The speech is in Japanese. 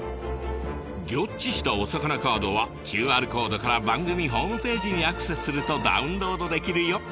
ギョっちしたおさかなカードはＱＲコードから番組ホームページにアクセスするとダウンロードできるよ。